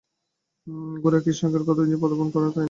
গোরার ঘরে কৃষ্ণদয়াল কতদিন যে পদার্পণ করেন নাই তাহার ঠিক নাই।